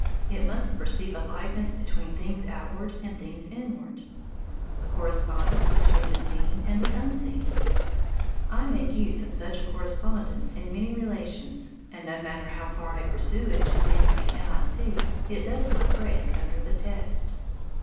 It must perceive a likeness between things outward and things inward, a correspondence between the seen and the unseen. I make use of such a correspondence in many relations, and no matter how far I pursue it to things I cannot see, it does not break under the test.